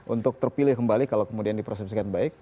untuk terpilih kembali kalau kemudian dipersepsikan baik